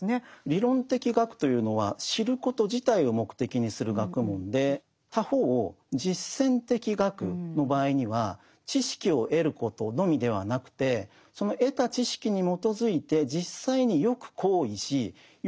理論的学というのは知ること自体を目的にする学問で他方実践的学の場合には知識を得ることのみではなくてこれが実践的学です。